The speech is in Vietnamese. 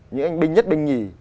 những anh binh nhất binh nhì